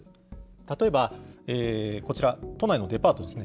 例えばこちら、都内のデパートですね。